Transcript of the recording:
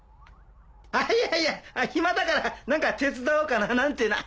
いやいやヒマだから何か手伝おうかななんてな。